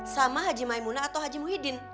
sama haji maimuna atau haji muhyiddin